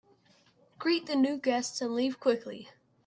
Greet the new guests and leave quickly.